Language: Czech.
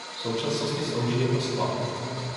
V současnosti slouží jako sklad.